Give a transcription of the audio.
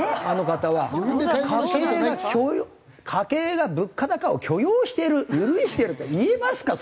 家計が家計が物価高を許容している許しているって言えますか？